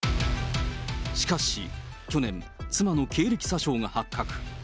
しかし去年、妻の経歴詐称が発覚。